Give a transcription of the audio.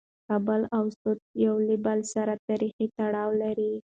کابل او سوات یو له بل سره تاریخي تړاو لري.